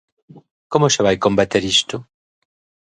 ¿Como se vai combater isto?